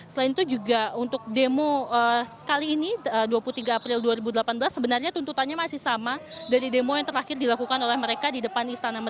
selain itu juga untuk demo kali ini dua puluh tiga april dua ribu delapan belas sebenarnya tuntutannya masih sama dari demo yang terakhir dilakukan oleh mereka di depan istana negara